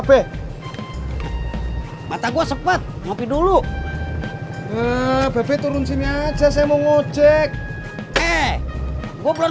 be mata gua sempet ngopi dulu bebe turun sini aja saya mau ngejek eh gua belum